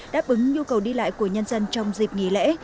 đáp ứng nhu cầu đi lại của nhân dân trong dịp nghỉ lễ